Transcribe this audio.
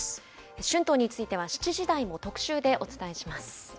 春闘については７時台も特集でお伝えします。